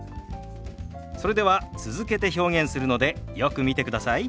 それでは続けて表現するのでよく見てください。